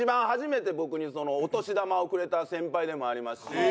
初めて僕にお年玉をくれた先輩でもありますし。